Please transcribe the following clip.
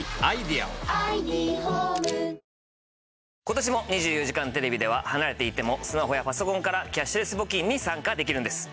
今年も『２４時テレビ』では離れていてもスマホやパソコンからキャッシュレス募金に参加できるんです。